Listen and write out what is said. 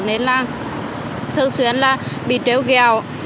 nên là thường xuyên là bị tréo gheo